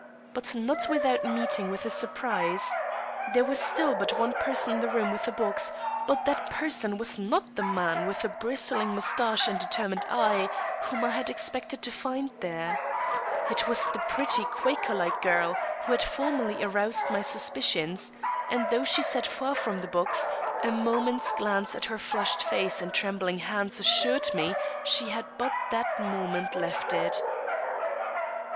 But not without meeting with a surprise. There was still but one person in the room with the box, but that person was not the man with the bristling mustache and determined eye whom I had expected to find there. It was the pretty, Quaker like girl who had formerly aroused my suspicions; and though she sat far from the box, a moment's glance at her flushed face and trembling hands assured me she had but that moment left it.